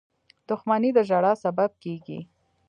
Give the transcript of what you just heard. • دښمني د ژړا سبب کېږي.